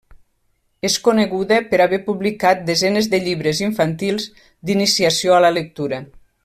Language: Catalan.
És coneguda per haver publicat desenes de llibres infantils d'iniciació a la lectura.